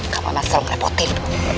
kamu masuk aku potil